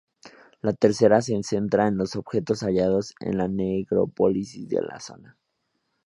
La tercera se centra en los objetos hallados en las necrópolis de la zona.